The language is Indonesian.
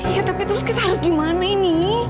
iya tapi terus kita harus gimana ini